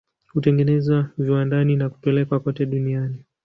Hutengenezwa viwandani na kupelekwa kote duniani.